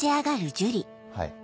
はい。